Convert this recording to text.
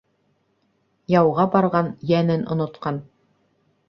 Яуға барған йәнен онотҡан.